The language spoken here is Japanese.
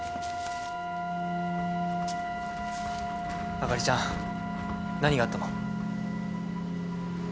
朱莉ちゃん何があったの？